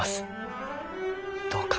どうか。